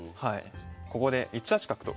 ここで１八角と。